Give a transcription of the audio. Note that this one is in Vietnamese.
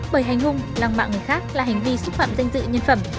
bởi hành hung lăng mạ người khác là hành vi xúc phạm danh dự nhân phẩm